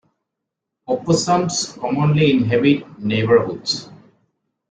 Opossums commonly inhabit neighborhoods.